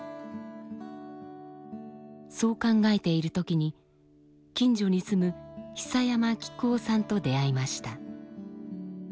そう考えている時に近所に住む久山喜久雄さんと出会いました。